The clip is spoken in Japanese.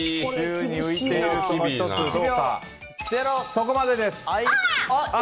そこまでです！